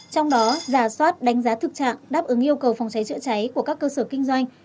trong đó giả soát đánh giá thực trạng đáp ứng yêu cầu phòng cháy chữa cháy của các cơ sở kinh doanh